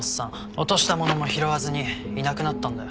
落とした物も拾わずにいなくなったんだよ。